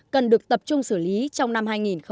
cần được tập trung xử lý trong năm hai nghìn một mươi tám